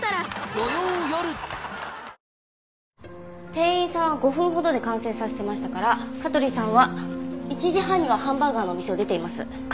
店員さんは５分ほどで完成させてましたから香取さんは１時半にはハンバーガーのお店を出ています。